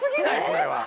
これは。